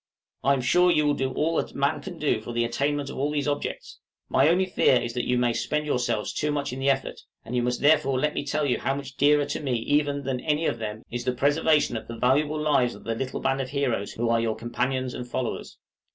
I am sure you will do all that man can do for the attainment of all these objects; my only fear is that you may spend yourselves too much in the effort; and you must therefore let me tell you how much dearer to me even than any of them is the preservation of the valuable lives of the little band of heroes who are your companions and followers.